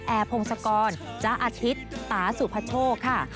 แอร์พงศกรจ๊ะอาทิตย์ตาสุภาโชค่ะ